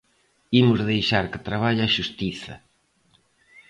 Imos deixar que traballe a Xustiza.